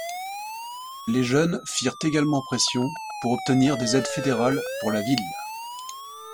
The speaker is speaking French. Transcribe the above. Les jeunes firent également pression pour obtenir des aides fédérales pour la ville.